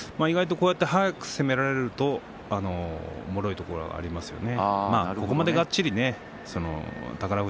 速く攻められるともろいところがありますよね。